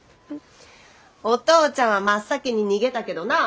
お父ちゃんは真っ先に逃げたけどな。